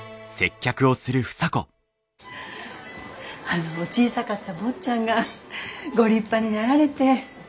あの小さかった坊ちゃんがご立派になられて。